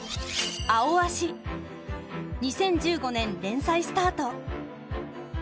２０１５年連載スタート。